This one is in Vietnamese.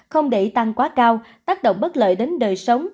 không để tăng quá cao tác động bất lợi đến đời sống